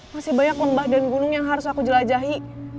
masih banyak lembah dan gunung yang harus aku jelajahi